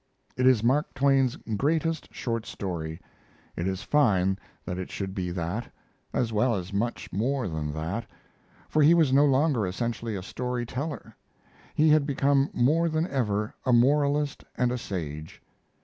It is Mark Twain's greatest short story. It is fine that it should be that, as well as much more than that; for he was no longer essentially a story teller. He had become more than ever a moralist and a sage.